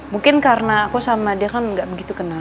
mungkin karena aku sama dia kan nggak begitu kenal